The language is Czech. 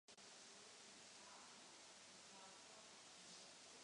Několik měsíců se hledalo kompromisní řešení.